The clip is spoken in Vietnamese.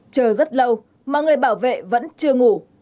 chờ rất lâu mà người bảo vệ vẫn chưa ngủ